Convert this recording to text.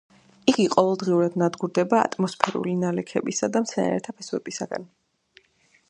იგი ყოველდღიურად ნადგურდება ატმოსფერული ნალექებისა და მცენარეთა ფესვებისაგან.